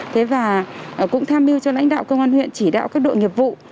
thế và cũng tham mưu cho lãnh đạo công an huyện chỉ đạo các đội nghiệp vụ